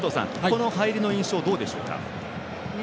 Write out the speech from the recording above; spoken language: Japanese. この入りの印象どうでしょうか？